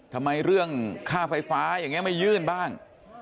ทำไมเรื่องค่าไฟฟ้าอย่างนี้ไม่ยื่นบ้าง